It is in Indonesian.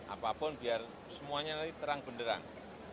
apapun biar semuanya nanti terang benderang